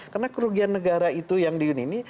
karena kerugian negara itu yang diunini